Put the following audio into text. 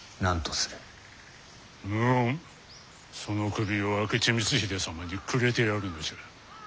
無論その首を明智光秀様にくれてやるのじゃ。